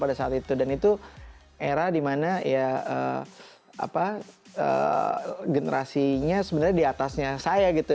dan itu era dimana ya generasinya sebenarnya diatasnya saya gitu